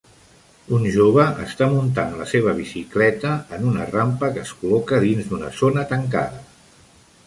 Un jove està muntant la seva bicicleta en una rampa que es col·loca dins d'una zona tancada.